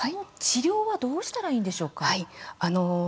治療はどうしたらいいのでしょうか？